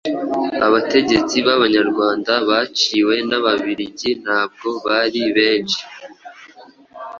Abategetsi b'Abanyarwanda baciwe n'Ababiligi ntabwo bari benshi.